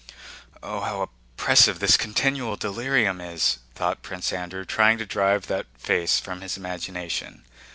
"Oh, how oppressive this continual delirium is," thought Prince Andrew, trying to drive that face from his imagination.